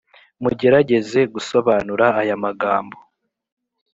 mugerageze gusobanura aya magambo